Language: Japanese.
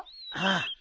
ああ。